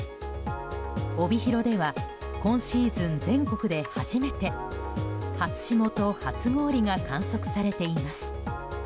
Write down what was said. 帯広では今シーズン全国で初めて初霜と初氷が観測されています。